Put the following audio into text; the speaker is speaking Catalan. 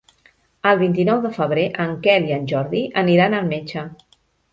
El vint-i-nou de febrer en Quel i en Jordi aniran al metge.